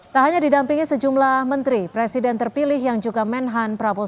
tak hanya didampingi sejumlah menteri presiden terpilih yang juga menhan prabowo